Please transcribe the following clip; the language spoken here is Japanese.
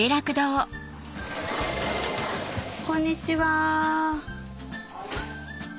こんにちは。